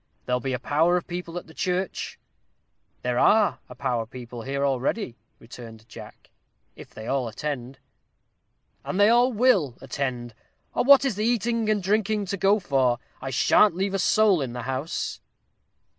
There'll be a power of people at the church." "There are a power of people here already," returned Jack, "if they all attend." "And they all will attend, or what is the eating and drinking to go for? I sha'n't leave a soul in the house."